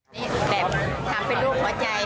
นี่แบบทำเป็นรูปหัวใจ